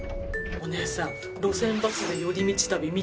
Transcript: お姉さん『路線バスで寄り道旅』見た？